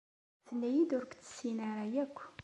Tenna-iyi-d ur k-tessin ara akk.